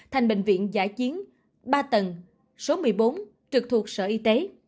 thành bệnh viện giã chiến ba tầng số một mươi bốn trực thuộc sở y tế